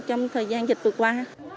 trong thời gian dịch vượt qua